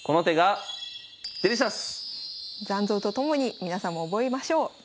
残像と共に皆さんも覚えましょう。